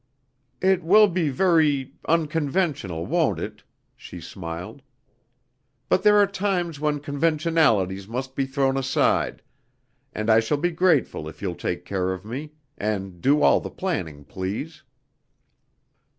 "It will be very unconventional, won't it?" she smiled. "But there are times when conventionalities must be thrown aside, and I shall be grateful if you'll take care of me, and do all the planning, please."